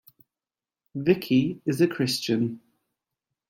Vicky is a Christian.